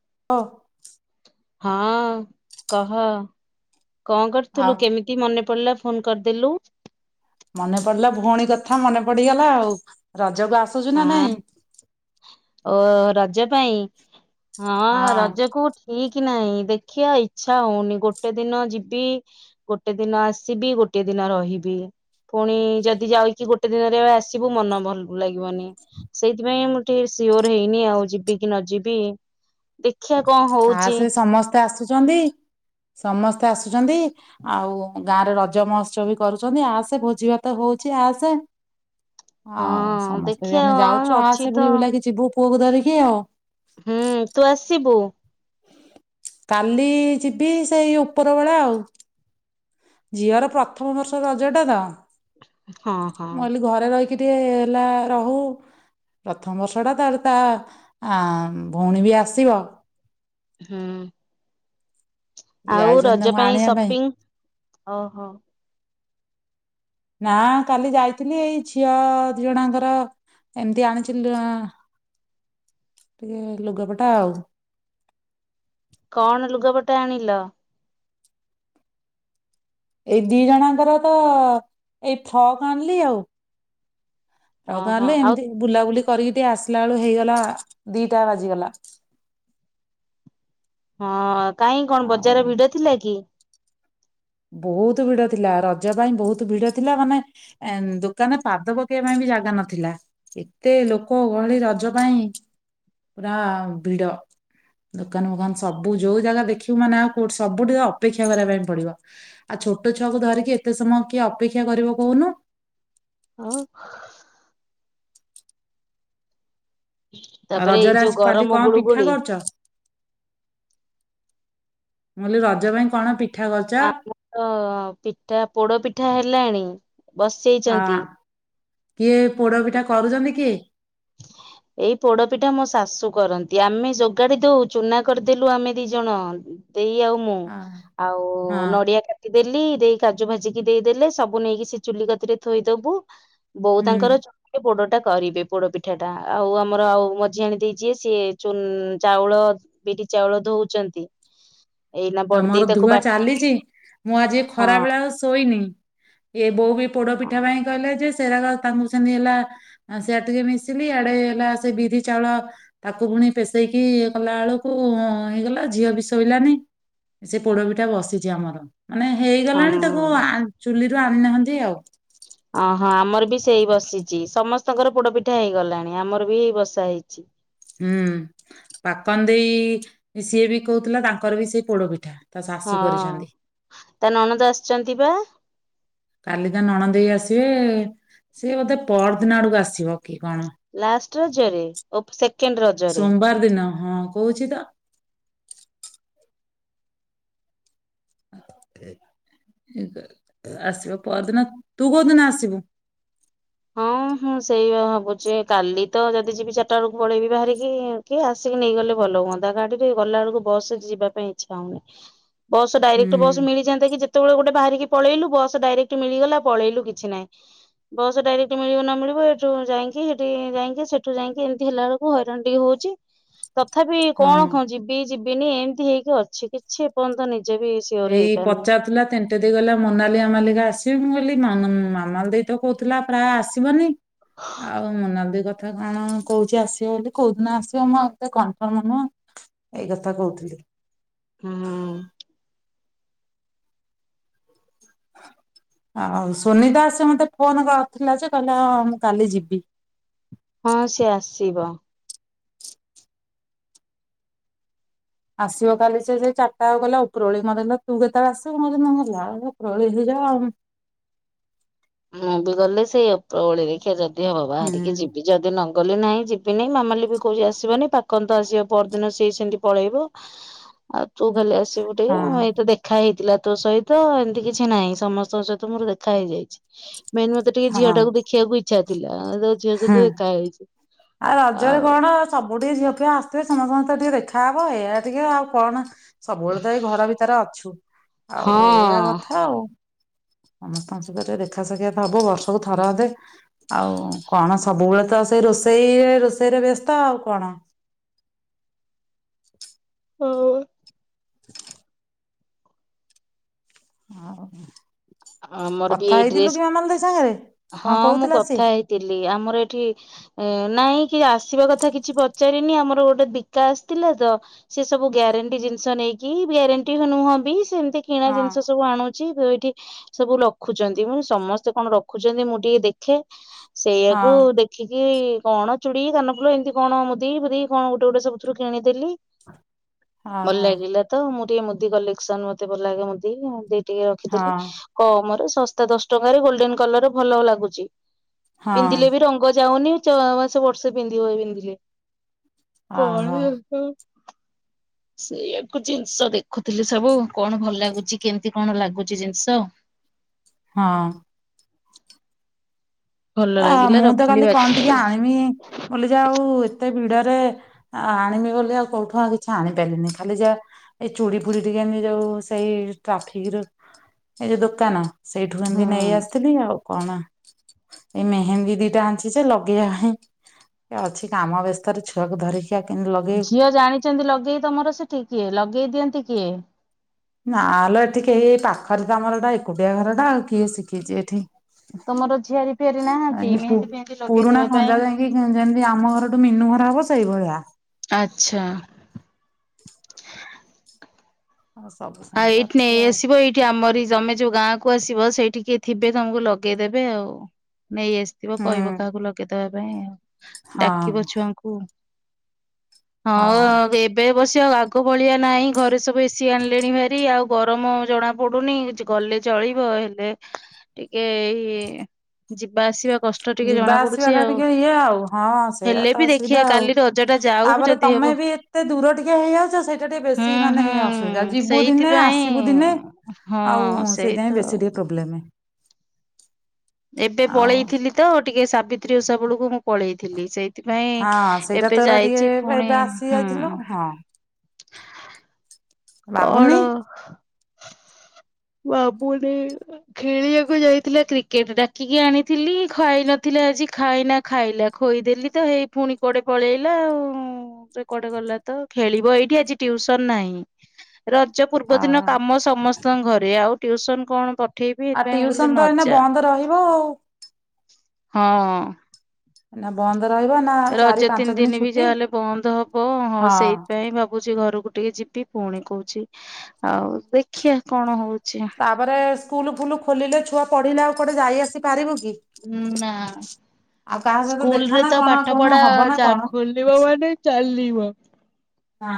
[unintelligible] ହଁ କହ। କଣ ଆଉ କରୁଥିଲୁ କେମିତି ମନେ ପଡିଲା ଫୋନ କରିଦେଲୁ ମନେ ପଡିଲା ଭଉଣୀ କଥା ମନେ ପଡିଗଲା ଆଉ ର ହଁ ଓ ରଜ ପାଇଁ ହଁ ରଜ କୁ ଠିକ କି ନାଇଁ ଦେଖିବା ଇଚ୍ଛା ହଉନି ଗୋଟେ ଦିନ ଯିବି ଗୋଟେ ଦିନ ଆସିବି ଗୋଟେ ଦିନ ରହିବି ପୁଣି ଯଦି ଯାଇକି ଗୋଟେ ଦିନରେ ଆସିବୁ ମନ ଭଲ ଲାଗି ଲାଗିବନି ସେଇଥିପାଇଁ ମୁଁ ଟିକେ ସିଓର ହେଇନି ଆଉ ଯିବି କି ନ ଯିବି ଦେ ଖିବା କଣ ହଉଛି ସୁଛନ୍ତି ସମସ୍ତେ ଆସୁଛନ୍ତି ଆଉ ଗାଁରେ ରଜ ମହତ୍ସବ ବି କରୁଛନ୍ତି ଆସେ ଭୋଜି ଭାତ ହଉଛି ଆସେ। ଆଉ ହଁ ସମସ୍ତେ ବି ଦେଖିବା ଆମେ ଯାଉଛୁ ହଁ ଅଛି ଆସେ ତ ବୁଲି ବୁଲାକି ଯିବୁ। ପୁଅକୁ ଧରିକି ଆଉ ହୁଁ ତୁ ଆସିବୁ। କାଲି ଯିବି ସେଇ ଉପର ବେଳା ଆଉ ଝିଅର ପ୍ରଥମ ବର୍ଷ ରଜ ଟା ତ ହଁ ହଁ ମୁଁ କହିଲି ଘରେ ରହିକି ଟିକେ ହେଲା ରହୁ ପ୍ରଥମ ବର୍ଷ ଟା ତାର ତା ଆ ଭଉଣୀ ବି ଆସିବ। ହୁଁ। ଆଉ ଯାଇଛନ୍ତି ରଜ ତାଙ୍କୁ ପାଇଁ ଆଣିବା ସପିଙ୍ଗ ଓହୋ ନା କାଲି ଯାଇଥିଲି ଏଇ ଝିଅ ଦି ଜଣଙ୍କର ଏମିତି ଆଣିଛିି ଟିକେ ଲୁଗାପଟା ଆଉ। କଣ ଲୁଗାପଟା ଆଣିିଲ? ଏଇ ଦି ଜଣଙ୍କର ତ ଏଇ ଫ୍ରକ ଆଣିଲି ଆଉ। ଫ୍ରକ୍ ଓହୋ ଆଣିଲି ଆଉ ଏମିତି ବୁଲାବୁଲି କରିକି ଟିକେ ଆସିଲା ବେଳୁ ହେଇଗଲା ଦିଟା ବାଜିଗଲା। ହଁ। କାହିଁ କଣ ଆଉ ବଜାର ଭିଡ ଥିଲା କି? ବହୁତ ଭିଡ ଥିଲା। ରଜ ପାଇଁ ବହୁତ ଭିଡ ଥିଲା ମାନେ ଏ ଦୋକାନରେ ପାଦ ପକେଇବା ପାଇଁ ବି ଜାଗା ନଥିଲା। ଏତେ ଲୋକ ଗହଳି ରଜ ପାଇଁ ପୁରା ଭିଡ ଦୋକାନ ମୋକାନ ସବୁ ଯୋଉ ଜାଗା ଦେଖିବୁ ମାନେ ଆଉ କୋଉଠି ସବୁଠି ଅପେକ୍ଷା କରିବା ପାଇଁ ପଡିବ। ଆଉ ଛୋଟ ଛୁଆକୁ ଧରିକି ଏତେ ସମୟ କିଏ ଅପେକ୍ଷା କରିବ କହୁନୁ? ଆଉ। ଆଉ ତାପରେ ଏଇ ରଜରେ ଯୋଉ ଆଜି କାଲି ଗରମ କଣ ଗୁଳୁ ପିଠା ଗୁଳି କରୁଚ? ମୁଁ କଇଲି ରଜ ପାଇଁ କଣ ପି ଆମର ତ ପିଠା ପୋଡ ପିଠା ହେ ଲାଣି ଆ ବସେଇଚନ୍ତି। କିଏ ପୋଡ ପିଠା କରୁଛନ୍ତି କିଏ? ଏଇ ପୋଡପିଠା ମୋ ଶାଶୁ କରନ୍ତି ଆମେ ଯୋଗାଡି ଦଉ ଚୁନା କରିଦେଲୁ ଆମେ ଦି ଜଣ ଦେଇ ଆଉ ମୁଁ ଆ ଆଉ ହଁ ନଡିଆ କାଟିଦେଲି ଦେଇ କାଜୁ ଭାଜିିକି ଦେଇଦେଲେ ସବୁ ନେଇକି ସେ ଚୁଲି କତିରେ ଥୋଇଦବୁ ବୋଉ ହୁଁ ତାଙ୍କ ର [unintelligible] ଲି ରେ ପୋଡ ଟା କରିବେ ପୋଡ଼ ପି ପିଠା ଟା ଆଉ ଆମର ଆଉ ମଝି ଆଣି ଦେଇ ଯିଏ ସିଏ ଚୁନ ଚାଉଳ ବିରି ଚାଉଳ ଧୋଉଚନ୍ତି ତମର ଧୂଆ ଚାଲିଛି ମୁଁ ଆଜି ଖରା ହଁ ବେଳେ ଆଉ ଶୋଇନି। ଏ ବୋଉ ବି ପୋଡ ପିଠା ପାଇଁ କହିଲା ଯେ ସେରାଗ ତାଙ୍କୁ ସେମତି ହେଲା ସିଆଡେ ଟିକେ ମିଶିଲି ଆଡେ ହେଲା ସେ ବିରି ଚାଉଳ ତାକୁ ପୁଣି ପେଷେଇକି କଲା ବେଳକୁ ଅ ହେଇଗଲା ଝିଅ ବି ଶୋଇଲାନି ସେ ପୋଡପିଠା ବସିଛି ଆମର। ମାନେ ହେଇଗଲାଣି ତାକୁ ହଁ ଚୁଲିରୁ ଆଣିନାହାନ୍ତି ଆଉ। ଅହଁ ଆମର ବି ସେଇ ବସିଛି ସମସ୍ତଙ୍କର ପୋଡ ପିଠା ହେଇଗଲାଣି ଆମର ବି ଏଇ ବସା ହେଇଛି। ହୁଁ ପାପନ ଦେଇ ସିଏ ବି କହୁଥିଲା ତାଙ୍କର ବି ସେଇ ପୋଡ ପିଠା। ହଁ ତା ନଣନ୍ଦ ଆସିଛନ୍ତି ବା। କାଲି ତା ନଣଦେଇ ଆସିବେ ସେ ବୋଧେ ପରଦିନ ଆଡକୁ ଆସିବ। କିି କଣ। [inaudible] କେନ୍ ରଜରେ ସୋମବାର ଦିନ ହଁ କହୁଛି ତ। ଆସିବ ପରଦିନ। ତୁ କୋଉ ଦିନ ଆସିବୁ? ହଁ ହଁ ସେୟା ଭାବୁଛି କାଲି ତ ଯଦି ଯିବି ଚାରିଟା ବେଳକୁ ପଳେଇବି ବାହାରିକି କି ଆସିକି ନେଇଗଲେ ଭଲ ହୁଅନ୍ତା ଗାଡିରେ ଗଲା ବେଳକୁ ବସ ରେ ଯିବା ପାଇଁ ଇଚ୍ଛା ହଉନି। ବସ୍ ଡାଇରେକ୍ଟ ବସ୍ ହୁଁ ମିଳିଯାନ୍ତା କି ଯେ ସେତେବେଳେ ଗୋଟେ ବାହାରିକି ପଳେଇଲୁ ବସ ଡାଇରେକ୍ଟ ମିଳିଗଲା ପଳେଇଲୁ କିଛି ନାଇଁ ବ ଡାଇରେକ୍ଟ ମିଳିବ ନ ମିଳିବ ଏଠୁ ଯାଇକିସେଠି ଯାଇକି ସେଠୁ ଯାଇକି ଏମତି ହେଲା ବେଳକୁ ହଇରାଣ ଟିକେ ହଉଛି। ତଥାପି ହଁ କଣ କ ଯିବି ଯିବି ଦିନେ ଏମିତି ହେଇକି ଅଛି। କିଛି ଏପର୍ଯନ୍ତ ନ ଏଇ ପଚାରୁଥିଲା ତିନିଟେ ଦେଇ ଗଲା ମନାଲି ମାମାଲି କା ଆସ ମୁଁ କହିଲି ମାମାନ୍ ମାମାଲ ଦେଇ ତ କହୁଥିଲା ପ୍ରାୟ ଆସିବନି ଆଉ ମନା ଦି କ କଥା କଣ କହୁଛି ଆସିବ ବୋଲି କୋଉ ଦିନ ଆସିବ ମୁଁ ଆଉ ଏତେ କନଫର୍ମ ନୁହଁ ଏଇ କଥା କହୁଥିଲି। ହୁଁ। ଆଉ ସୁନିତା ଆସେ ମତେ ଫୋନ କରିଥିଲା ଯେ କହିଲା ହଁ ମୁଁ କାଲି ଯିବି। ହଁ ସିଏ ଆସିବ। ଆସିବ କାଲି ସେ ଯେ ଚାରଟା ବେଳୁ କହିଲା ଉପରଓଳି ମୋତେ କହିଲା ତୁ କେତେବେଳେ ଆସିବୁ? ମୁଁ କହିନି ମୁଁ ଯା ହେଇଯାଉ ଉପରଓଳି ଯିବା ଆଉଁ। ମୁଁ ବି ଗଲେ ସେଇ ଉପରଓଳି ଦେଖିଆ ଯଦ୍ ତେ ବାବା ହୁଁ ଟିକେ ଯିବି ଯଦି ନ ଗଲେ ନାହିଁ ଯିବିିନି ମାମାଲି ବି କହୁଛି ଆସିବନି ପାକନ୍ ତ ଆସିବ ପରଦିନ ସିଏ ସେମିତି ପଳେଇବ ଆଉ ତୁ ଖାଲି ଆସିବୁ ହଁ ଟିକେ ଏଇତ ଦେଖା ହେଇଥିଲା ତୋ ସହିତ ଏମିତି କିଛି ନାହିଁ ସମସ୍ତଙ୍କ ସହିତ ମୋର ଦେଖା ହେଇଯାଇଛି। [inaudible] ମେନ୍ ମୋତେ ଟିକେ ଝିଅ ହଁ ଟାକୁ ଦେଖିବାକୁ ଇ ଛା ଥିଲା ଯା ଝିଅ ହୁଁ ସହିତ ଦେଖା ହେଇଛି। ଆଉ ରଜରେ କଣ ସବୁଠି ଝିଅ ଫିଅ ଆସଥିବେ। ସମସ୍ତଙ୍କ ସହିତ ଟିକେ ଦେ ଖାଅବ ଏଇଆ ଟିକେ ଆଉ କଣ ସବୁବେଳେ ତ ଏଇ ଘର ଭିତରେ ଅଛୁ ଆଉ ହଁ ଏଇଆ କଥା ଆଉ। ସମସ୍ତଙ୍କ ସହିତ ଟିକେ ଦେଖା ସାକ୍ଷାତ ହବ ବର୍ଷକୁ ଥର ଅଧେ। ଆଉ କଣ ସବୁବେଳେ ତ ସେ ରୋଷ ସେଇ ରୋଷେଇରେ ବ୍ୟସ୍ତ ଆଉ କଣ। ହୁଁ ଉଁ [inaudible] ଆଉ ଆ ଆମର ବି କଥା ଏଇ ହେଇଥିଲୁ କି ଡ୍ରେସ ମାମାଲି ଦେଇ ସାଙ୍ଗରେ କଣ ହଁ ମୁଁ କହୁଥିଲା ସିଏ? କଥା ହେଇଥିଲି ଆମର ଏଇଠି ନାଇଁ କି ଆସିବା କଥା କିଛି ପଚାରିନି ଆମର ଗୋଟେ ବିକା ଆସିଥିଲା ତ ସେ ସବୁ ଗ୍ୟାରେଣ୍ଟି ଜିନିଷ ନେଇକି ଗ୍ୟାରେଣ୍ଟି ନୁହଁ ବି ସେମିତି କିଣା ହଁ ଜିନିଷ ସବୁ ଆଣୁଛି। ଠି ସବୁ ରଖୁଛନ୍ତି ମୁ ସମସ୍ତେ କଣ ରଖୁଛନ୍ତି ମୁଁ ଟିକେ ଦେଖେ। ହଁ ସେଇଆକୁ ଦେଖିକି କି କଣ ଚୁଡ଼ି କାନଫୁଲ ଏମିତି କଣ ମୁଦି ଫୁଦି କଣ ଗୋଟେ ଗୋଟେ ସବୁଥିରୁ କିଣିଦେଲି। ଭଲ ଓହୋ ଲାଗିଲା ତ ମୁଁ ଟିକେ ମୁଦି କଲେକ୍ସନ ମତେ ଭଲ ଲାଗେ ମୁଦି ଟିକେ ହଁ ରଖିଥିଲି। ତମର ଶସ୍ତା ଦଶ ଟଙ୍କାରେ ଗୋଲଡେନ କଲର ଭଲ ଲାଗୁଛି। ହଁ ହଁ ପିନ୍ଧିଲେ ବି ରଙ୍ଗ ଯାଉନି ଛଅ ମାସ ବର୍ଷେ ପିନ୍ଧିବ ପିନ୍ଧିଲେ। ଓହୋ କଣ [inaudible] ସେଇଆାକୁ ଜିନିଷ ଦେଖୁଥିଲି ସବୁ କଣ ଭଲ ଲାଗୁଛି କେମିତି କଣ ଲାଗୁଛି ଜିନିଷ ହଁ ଭଲ ଆ ଲାଗିଲା ମୁଁ ତ ରଖିଲି କାଲି କଣ ବାଛି ଟିକେ ଆଣିବି ବୋଲି ଆଉ ଏତେ ବିିଡରେ ଆଣିବି ବୋଲିଲେ ଆଉ କୋଉଠୁ ଆଉ କିଛି ଆଣିପାରିଲିନି। ଖାଲି ଯାହା ଏଇ ଚୁଡ଼ି ଫୁଡି ଟିକେ ଏମ ଯୋଉ ସେଇ ଟ୍ରାଫିକ ଏଇ ଯୋଉ ଦୋକାନ ସେଇଠୁ କେମତି ହୁଁ ନେଇ ଆସିଥିଲି ଆଉ। କଣ ଏଇ ମେହେନ୍ଦୀ ଦିଟା ଆଣିଛି ଯେ ଲଗେଇବା ପାଇଁ ଅଛି କାମ ବ୍ୟସ୍ତ ଛୁଆକୁ ଧରିକି ଆଉ କେମିତି ଲଗେଇବୁ। ଝିଅ ଜାଣିଛନ୍ତି ଲଗେଇ ତମର ସେ ଠି କିଏ ଲଗେଇ ଦିଅନ୍ତି କି କି ନାଲୋ ଏଠି କେହି ପାଖରେ ଆମର ଏଟା ଏକୁଡିଆ ଘର ଟା ଆଉ କିଏ ଶିଖିଛି ଏଠି। ତମର ଝିଆରି ଫିଆରି ନାହାନ୍ତି ମେହେନ୍ଦୀ ଫେହେନ୍ଦୀ ପୁରୁଣା ଲଗେଇଦବା ପାଇଁ? ଖଞ୍ଜା ଯାଇକି ଯେମିତି ଆମ ଘରଠୁ ମିନୁ ଘର ହବ ସେଇଭଳିଆ। ଆଚ୍ଛା। ଆଉ ସବୁ ଆଉ ସେମିତି ଏଇଠି ନ ଅଛି ଆଉ। ଆସିବ ଏଇଠି ଆମର ତମେ ଯୋଉ ଗାଁ କୁ ଆସିବ ସେଇଠି କି ଥିବେ ତମକୁ ଲଗେଇଦେବେ ଆଉ। ନେଇ ଆସିଥିବ କହିବ ହୁଁ କାହାକୁ ଲଗେଇଦବା ପାଇଁ। ଡାକିବ ହଁ ଛୁଆଙ୍କୁ ହଁ ଏବେ ବସି ଆଗ ଭଳିଆ ନାହିଁ ଘରେ ସବୁ ଏସି ଆଣିଲି ଣି ଭାରି ଆଉ ଗରମ ଜଣା ପଡୁନି ଗଲେ ଚଳିବ ହେଲେ ଟିକେ ଏଇ ଯିବା ଆସିବା କଷ୍ଟ ଟିକେ ଯିବା ଜଣା ପଡୁଛି ଆସିବାଟା ଆଉ ଟିକେ ଇଏ ଆଉ ହଁ ସେଇଆା ହେଲେ ତ ବି ଦେଖିବା ଅସୁବିଧା ଆଉ କାଲି ରଜ ଟା ଯାଉ ତାପରେ ଯଦି ତମେ ହବ ବି ଏତେ ଦୂର ଟିକେ ହେଇଯାଉଛ ସେଇଟା ଟିକେ ହୁଁ ବେଶୀ ମାନେ ହୁଁ ଇଏ ଅସୁବିଧା ଯିବୁ ଦିନେ ସେଇଥିପାଇଁ ଆସିବୁ ଦିନେ ହଁ ଆଉ ସେଇ ତ ସେଇଥିାଇଁ ବେଶୀ ଟିକେ ପ୍ରୋବ୍ଲେମ୍ [inaudible] ଏବେ ପଳେଇଥିଲି ତ ଟିକେ ସାବିତ୍ରୀ ଓଷା ବେଳକୁ ମୁଁ ପଳେଇଥିଲି ହଁ ସେଇଥିପାଇଁ ସେଇଟା ଏବେ ତୋର ଟିକେ ଯାଇଛି ପୁଣି ଏବେ ଆସି ହୁଁ ଯାଇଥିଲୁ ହଁ ବାବୁନି କଣ? ବାବୁଣ ଖେଳିବାକୁ ଯାଇଥିଲା କ୍ରିକେଟ ଡାକିକି ଆଣିଥିଲି ଖୁଆଇ ନଥିଲା ଆଜି ଖାଇନା ଖାଇଲା ଖଦେଲି ତ ହେଇ ପୁଣି କୁଆଡେ ପଳେଇଲା ଆଉ ସେ କଆଡେ ଗଲା ତ ଖେଳିବ ଏଇଠି ଆଜି ଟୁଇସନ ନାହିଁ। ରଜ ପୂର୍ବଦିନ ଓହୋ କାମ ସମସ୍ତଙ୍କ ଘରେ ଆଉ ଟୁଇସନ କଣ? ପଠେଇବି ଏଥିପାଇଁ ଆଉ ମୁଁ କହିଲି ଉସନ ତ ଏଇନା ନଯା। ବନ୍ଦ ରହିବ ଆଉ। ହଁ ମ ବନ୍ଦ ରହିବ ନା ଚାରି ରଜ ପାଞ୍ଚ ତିନି ଦିନ ବି ଛୁଟି ଯାହାହେଲେ ବନ୍ଦ ହବ ହଁ ସେଇପାଇଁ ଭାବୁଛି ଘରକୁ ଟିକେ ଯିବି ପୁଣି କହୁଛି ଆଉ ଦେଖିବା କଣ ହଉଛି? ତାପରେ ସ୍କୁଲ ଫୁଲ ଖୋଲିଲେ ଛୁଆ ପଢିଲେ ଆଉ କୋଟେ ଯାଇ ଆସି ପାରିବୁ କି? ନା ଆଉ କାହା ସହିତ ଦେଖା ସ୍କୁଲରେ ନା ତ କଣ ପାଠ କଉଦିନ ପଢା ହବ ନା କଣ ଖୋଲିବ କିଛି ମାନେ ଚାଲିବ ନା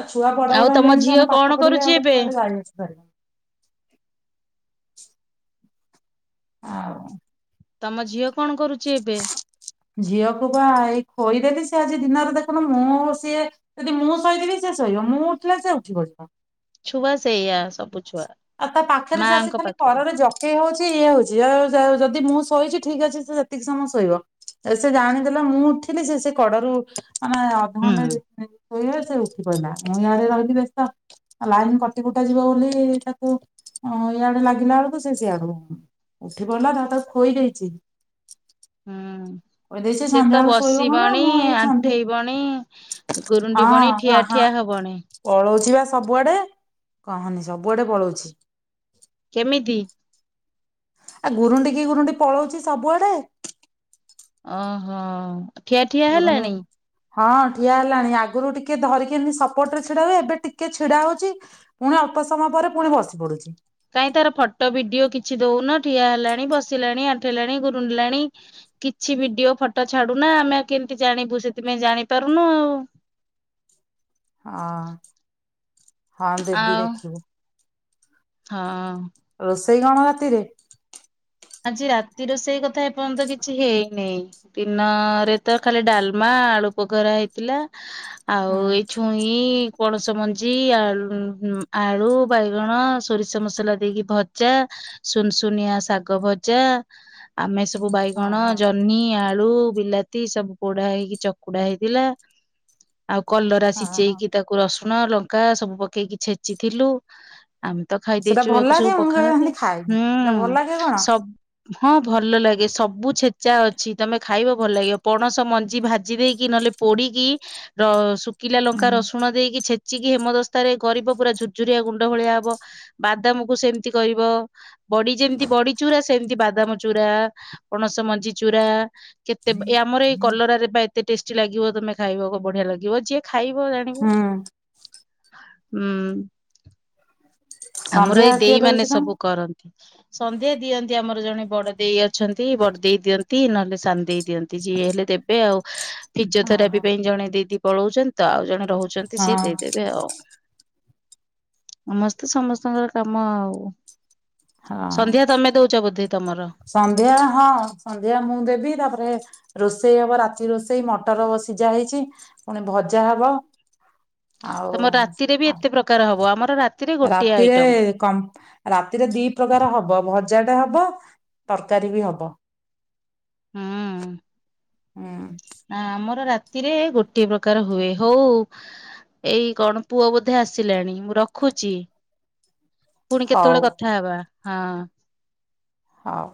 ଆଉ ଛୁଆ ପଡ ଆଉ ବଡ ତମ ହେଲାଣି ଝିଅ ସେମାନେେ ପାଠ କଣ ପଢିକି କରୁଛି ଆଉ ଏବେ? କୁଆଡେ ଯାଇ ଆସିପାରିବ ହଁ ତମ ଝିଅ କଣ କରୁଛି ଏବେ? ଝିଅକୁ ବା ଏଇ ଖୋଇଦେଲି ସେ ଆଜି ଦିନରେ ଦେଖନ ମୁଁ ସିଏ ଯଦି ମୁଁ ଶହିଥିବି ସେ ସଇବ ମୁଁ ଉଠିଲେ ସେ ଉଠି ପଡିବ ଛୁଆ ସେୟ ଆଉ ତା ପାଖରେ ଚା ଆସି ଖାଲି ପାଖରେ କରରେ ଜକେଇ ହଉଛି ଇଏ ହଉଛି ଯଦି ମୁଁ ଶୋଇଛି ଠିକ ଅଛି ସେ ସେତିକି ସମୟ ଶୋଇବ ସେ ଜାଣିଦେଲା ମୁଁ ଉଠିଲି ସେ ସେ କଡରୁ ଆମ ହୁଁ ଅର୍ଧଘଣ୍ଟା ଯ ଶୋଇ ସେ ଉଠି ପଡିଲା ମୁଇଁ ଆଡରେ ରହିଲି ବସ୍ତ ଲାଇନ କଟି କୁଟା ଯିବ ବୋଲି ସେ ତାକୁ ଇଆଡେ ଲାଗିଲା ବେଳକୁ ସେ ସଇଆଡ ଉଠି ପଡିଲା ତା ତାକୁ ଖଇ ଦେଇଛି। ହୁଁ ଖୋଇ ଦେଇଛି ସେ ତ ସନ୍ଧ୍ୟାବେଳେ ଶୋଇବ କଣ ବସିବଣି ମୁଁ ଏଇ ସନ୍ଧ୍ୟା ଆଣ୍ଠେଇବଣି ଗୁରୁଡିିବଣି ହଁ ଠିଆ ହଁ ଠିଆ ହବଣି ପଳଉଛି ବା ସବୁଆଡେ କହନି ସବୁଆଡେ ପଳଉଛି। କେମିତି? ଆଉ ଗୁରୁଣ୍ଡି ଗୁରୁଣ୍ଡି ପଳଉଛି ସବୁଆଡେ ଅହୋ। ଠିଆଠିଆ ଗୁରୁଣ୍ଡି ହେଲାଣି ହଁ ଠିଆ ହେଲାଣି ଆଗରୁ ଟିକେ ଧରିକି ଏମିତି ସପୋଟ ରେ ଛିଡା ହୁଏ ଏବେ ଟିକେ ଛିଡା ହଉଛି ପୁଣି ଅଳ୍ପ ସମୟ ପରେ ପୁଣି ବସି ପଡୁଛି। କାହିଁ ତାର ଫଟୋ ଭିଡିଓ କିଛି ଦଉନ ଠିଆ ହେଲାଣି ବସିଲାଣି ଆଣ୍ଠେଇଲାଣି ଗୁରୁଣ୍ଡିଲାଣି କିଛି ଭିଡିଓ ଫଟୋ ଛାଡୁନା ଆମେ ଆଉ କେମିତି ଜାଣିବୁ ସେଥିପାଇଁ ଜାଣିପାରୁନୁ ଆଉ। ହଁ ହଁ ଦେବି ଆଉ ଦେଖିବୁ। ହଁ ରୋଷେଇ କଣ ରାତିରେ? ଆଜି ରାତିର ସେଇ କଥା ଏପନ୍ତ କିଛି ହେଇନହିଁ ଦିନରେ ତ ଖାଲି ଡାଲମା ଆଳୁ ପଖରା ହେଇଥିଲା। ଆଉ ହୁଁ ଏଇ ଛୁଇଁ ପଣସ ମଞ୍ଜି ଆ ଆଳୁ ବାଇଗଣ ସୋରିଷ ମସଲା ଦେଇକି ଭଜା ସୁନସୁନିଆ ଶାଗ। ଙ୍ଗ ଭଜା ଆମେ ସବୁ ହଁ ବାଇଗଣ ହଁ ଜହ୍ନି ଆଡ ଆଳୁ ବିଲାତି ସବୁ ପୋଢା ହେଇକି ଚକୁଡା ହେଇଥିଲା। ଆଉ କଲରା ହଁ ହଁ ସିଝେଇକି ତାକୁ ରସ ଲୁଣ ଲଙ୍କା ସବୁ ପକେଇକି ଛେଚିଥିଲୁ। ଆମେ ତ ଖାଇ ସେଟା ଦେଇଛୁ ଭଲ ଏହାକୁ ସବୁ ପଖାଳରେ ହୁଁ। କେ କଣ ସବ ହଁ ଭଲ ଲାଗେ ସବୁ ଛେଚା ଅଛି ତମେ ଖାଇବ ଭଲ ଲାଗିବ ପଣସ ମଞ୍ଜି ଭାଜି ଦେଇକି ନହେଲେ ପୋଡିକି ର ସୁକ୍ କିଲା ହୁଁ ଲଙ୍କା ରସୁଣ ଦେଇକି ଛେ କିଚ କିି ହେମଦସ୍ତାରେ ଗରିବ ପୁରା ଝୁୁରଝୁରିଆ ଗୁଣ୍ଡ ଭଳିଆ ହବ ବାଦାମକୁ ସେମିତି କରିବ ବଡି ଯେମତି ମତି ବଡି ଚୁରା ସେମିତି ବାଦାମ ଚୁରା ପଣସ ମଞ୍ଜି ଚୁରା କେତେ ଆମର ଏଇ କଲରାରେ ବା ଏତେ ଟେଷ୍ଟି ଲାଗିବ ତମେ ଖାଇବାକୁ ବଢିଆ ଲାଗିବ ଯିଏ ଖାଇବ ଜାଣିବ। ହୁଁ ହୁଁ ଆମର ସନ୍ଧ୍ୟା ଏଇ କିଏ ଦେଇ ମାନେ ଦଉଛି ତମ ସବୁ କରନ୍ତି। ସନ୍ଧ୍ୟା ଦିଅନ୍ତି ଆମର ଜଣେ ବଡ ଦେଇ ଅ ଅଛନ୍ତି ବଟ ଦେଇ ଦିଅନ୍ତି ନ୍ତି଼ ନହେଲେ ସାନ ଦେଇ ଦିଅନ୍ତି ଯିଏ ହେଲେ ଦେବେ ଆଉ। ଫିଜିଓଥେରାପି ଓହୋ ପାଇଁ ଜଣେଇ ଦେଇବି ପଳଉଛନ୍ତି ତ ଆଉ। ଜଣେ ରହୁଛନ୍ତି ହଁ ସିଏ ଦେଇଦେବେ ଆଉ। ନମସ୍ ତ ସମସ୍ତଙ୍କର କାମ ଆଉ ହଁ ସନ୍ଧ୍ୟା ତମେ ଦଉଛ ବୋଧେ ତମର? ସନ୍ଧ୍ୟା ହଁ ସନ୍ଧ୍ୟା ମୁଁ ଦେବି ତାପରେ ରୋଷେ ରୋଷେଇ ହବ ରାତି ରୋଷେଇ ମଟର ସିଝା ହେଇଛି ପୁଣି ଭଜା ହବ। ଆଉ ତମ ରାତିରେ ବି ଏତେ ପ୍ରକାର ହବ ଆମର ରା ରାତିରେ କ ରାତିରେ ଦି ପ୍ରକାର ହବ ଭଜା ଟେ ହବ ତରକାରୀ ବି ହବ। ହୁଁ ହୁଁ ନା ଆମର ରାତ ରାତିରେ ଗୋଟିଏ ପ୍ରକାର ହୁଏ ହଉ ଏଇ କଣ ପୁଅ ବୋଧେ ଆସିଲାଣି ମୁଁ ରଖୁଛି। ପୁଣି ହଉ କେତେବେଳେ କଥା ହବା। ହଁ ହଉ।